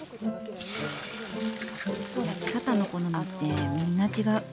焼き方の好みって、みんな違う。